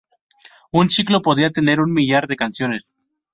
Un ciclo podía tener un millar de canciones.